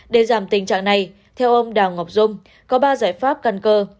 để giảm tình trạng này theo ông đào ngọc dung có ba giải pháp căn cơ